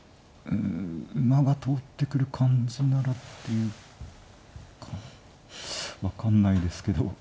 うん馬が通ってくる感じならっていう分かんないですけど。